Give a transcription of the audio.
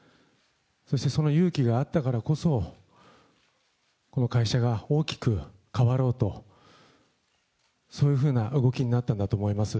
そしてその勇気があったからこそ、この会社が大きく変わろうと、そういうふうな動きになったんだと思います。